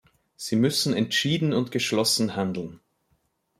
Sie müssen entschieden und geschlossen handeln.